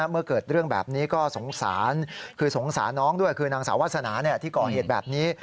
เมื่อเกิดเรื่องแบบนี้ก็สงสารคือสงสารน้องด้วยคือนางสาววาสนาที่ก่อเหตุแบบนี้